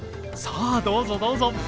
さあどうぞどうぞ。